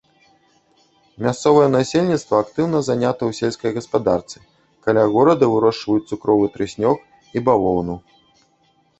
Мясцовае насельніцтва актыўна занята ў сельскай гаспадарцы, каля горада вырошчваюць цукровы трыснёг і бавоўну.